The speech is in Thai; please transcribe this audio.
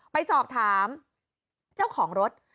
ไปสอบถามเจ้าของรถ